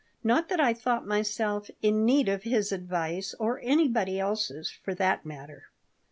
Not that I thought myself in need of his advice, or anybody else's, for that matter.